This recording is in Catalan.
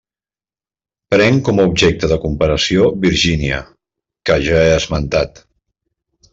Prenc com a objecte de comparació Virgínia, que ja he esmentat.